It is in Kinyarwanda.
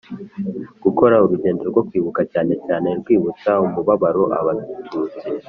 gukora urugendo rwo kwibuka cyane cyane rwibutsa umubabaro Abatutsi